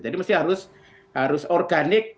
jadi harus harus organik